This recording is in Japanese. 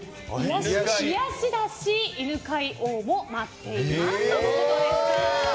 癒しだし犬飼王も待っていますということでした。